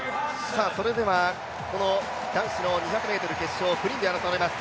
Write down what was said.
それではこの男子２００ｍ決勝９人で争われます。